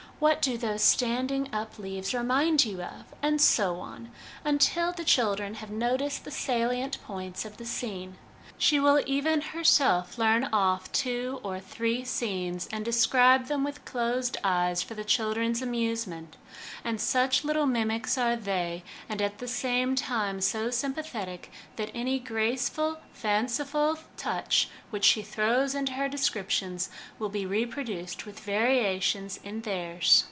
What do those standing up leaves remind you of?' and so on, until the children have noticed the salient points of the scene. She will even herself learn off two or three scenes, and describe them with closed eyes for the children's amusement ; and such little mimics are they, and at the same time so sympathetic, that any graceful fanciful touch which she throws into her descriptions will be reproduced with variations in theirs.